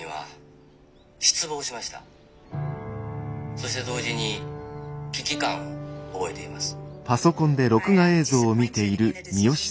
そして同時に危機感を覚えています」。